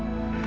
bukan kan bu